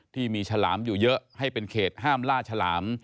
ที่มีฉลามอยู่เยอะให้เป็นเขตห้ามล่าฉลาม